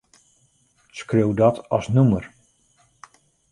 Skriuw dat as nûmer.